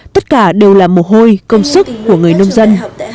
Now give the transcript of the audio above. tất cả đều là mồ hôi công sức của người nông dân